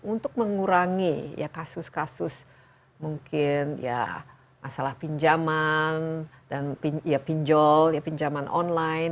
untuk mengurangi kasus kasus mungkin ya masalah pinjaman dan ya pinjol pinjaman online